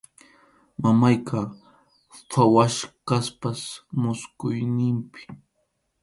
Mamayqa phawachkasqas musquyninpi.